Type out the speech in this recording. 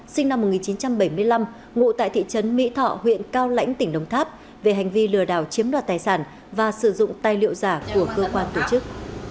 sinh năm một nghìn chín trăm bảy mươi năm ngụ tại thị trấn mỹ thọ huyện cao lãnh tỉnh đồng tháp về hành vi lừa đảo chiếm đoạt tài sản và sử dụng tài liệu giả của cơ quan tổ chức